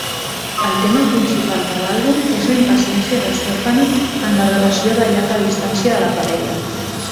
El tema principal de l'àlbum és la impaciència de Stefani en la relació de llarga distància de la parella.